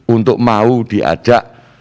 untuk mau diajak